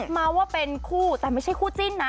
เมาส์ว่าเป็นคู่แต่ไม่ใช่คู่จิ้นนะ